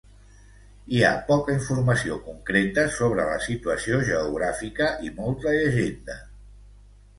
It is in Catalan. Hi ha poca informació concreta sobre la situació geogràfica i molta llegenda.